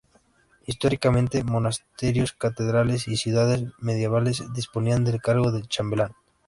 Históricamente, monasterios, catedrales y ciudades medievales disponían del cargo de chambelán.